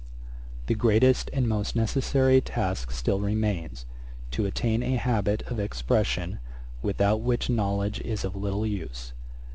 'The greatest and most necessary task still remains, to attain a habit of expression, without which knowledge is of little use.